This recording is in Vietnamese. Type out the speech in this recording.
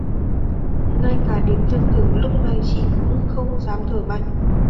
Ngay cả đến việc thở lúc này chị cũng không dám thở mạnh